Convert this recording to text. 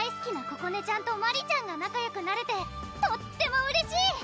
ここねちゃんとマリちゃんがなかよくなれてとってもうれしい！